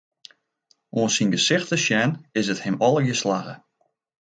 Oan syn gesicht te sjen, is it him allegear slagge.